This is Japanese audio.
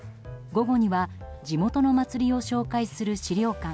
午後には地元の祭りを紹介する資料館